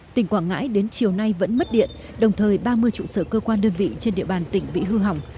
tỉnh quảng ngãi đến chiều nay vẫn mất điện đồng thời ba mươi trụ sở cơ quan đơn vị trên địa bàn tỉnh bị hư hỏng